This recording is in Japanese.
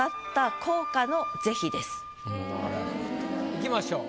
いきましょう。